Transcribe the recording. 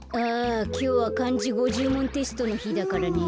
きょうはかんじ５０もんテストのひだからね